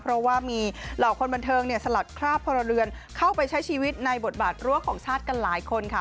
เพราะว่ามีเหล่าคนบันเทิงเนี่ยสลัดคราบพลเรือนเข้าไปใช้ชีวิตในบทบาทรั้วของชาติกันหลายคนค่ะ